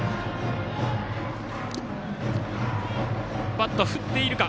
バットは振っているか。